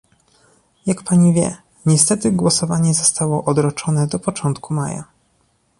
Jak pani wie, niestety głosowanie zostało odroczone do początku maja